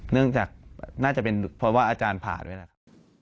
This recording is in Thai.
เนื่องจากน่าจะเป็นเพราะว่าอาจารย์ผ่านไว้แล้ว